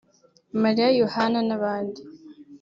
Mariya Yohana n’abandi